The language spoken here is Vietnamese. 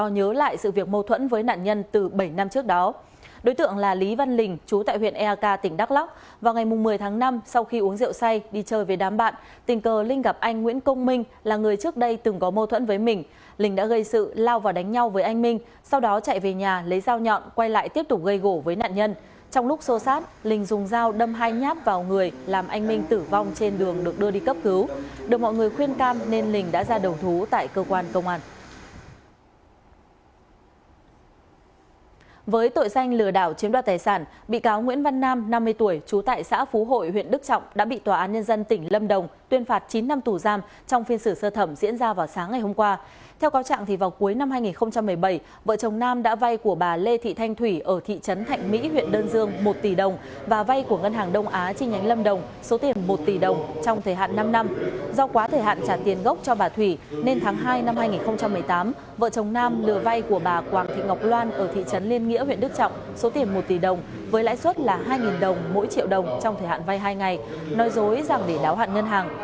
nên tháng hai năm hai nghìn một mươi tám vợ chồng nam lừa vai của bà quảng thị ngọc loan ở thị trấn liên nghĩa huyện đức trọng số tiền một tỷ đồng với lãi suất là hai đồng mỗi triệu đồng trong thời hạn vai hai ngày nói dối rằng để đáo hạn ngân hàng